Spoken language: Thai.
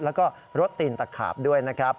แล้วก็รถตีนตะขาบด้วยนะครับ